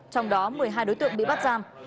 trong đó một mươi hai đối tượng bị bắt giam